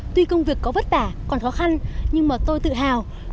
tuy công việc có vất vả còn khó khăn nhưng mà tôi tự hào vì được góp một phần công sức